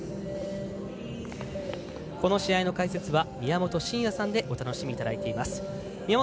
この試合の解説は宮本慎也さんでお楽しみいただいています。